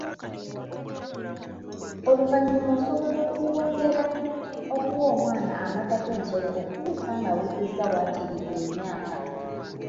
Oluvannyuma osobola okwongera okuwa omwana amata g'ensolo okutuusa ng'awezezza waakiri emyaka .